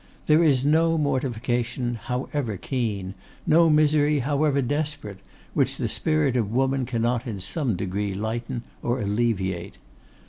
There is no mortification however keen, no misery however desperate, which the spirit of woman cannot in some degree lighten or alleviate.